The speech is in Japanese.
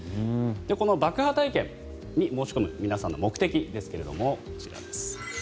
この爆破体験に申し込む皆さんの目的ですがこちらです。